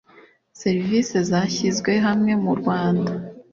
Serivisi za shyizwe hamwe mu Rwanda